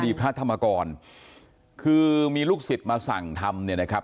พระธรรมกรคือมีลูกศิษย์มาสั่งทำเนี่ยนะครับ